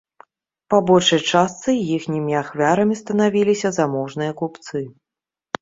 Па большай частцы іхнімі ахвярамі станавіліся заможныя купцы.